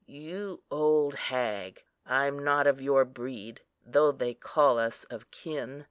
You old hag! I'm not of your breed, though they call us of kin.